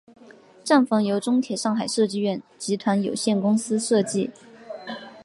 站房由中铁上海设计院集团有限公司设计。